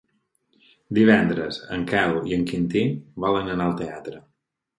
Divendres en Quel i en Quintí volen anar al teatre.